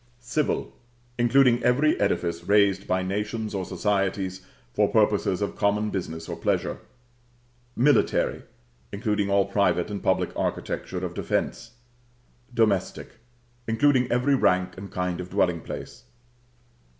Civil; including every edifice raised by nations or societies, for purposes of common business or pleasure. Military; including all private and public architecture of defence. Domestic; including every rank and kind of dwelling place.